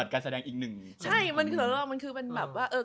ก็ร้องเพลงแล้วไง